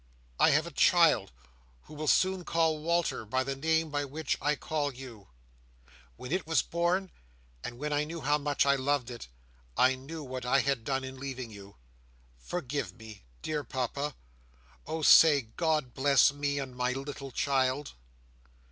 I have a child who will soon call Walter by the name by which I call you. When it was born, and when I knew how much I loved it, I knew what I had done in leaving you. Forgive me, dear Papa! oh say God bless me, and my little child!"